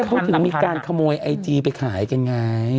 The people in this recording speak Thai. เขาถึงมีการขโมยไอจีไปขายกันไง